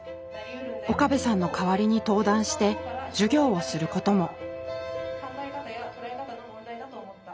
岡部さんの代わりに登壇して授業をすることも。